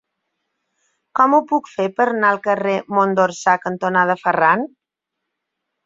Com ho puc fer per anar al carrer Mont d'Orsà cantonada Ferran?